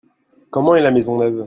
Comment est la maison neuve ?